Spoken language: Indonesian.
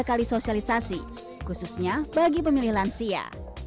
tiga kali sosialisasi khususnya bagi pemilih lansia